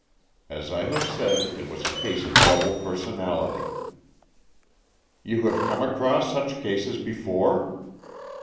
As I have said, it was a case of double personality." "You have come across such cases before